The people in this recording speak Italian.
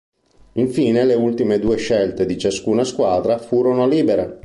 Infine le ultime due scelte di ciascuna squadra furono libere.